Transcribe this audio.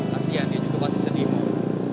kasian dia juga pasti sedih mohon